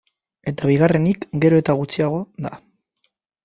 Eta bigarrenik, gero eta gutxiago da.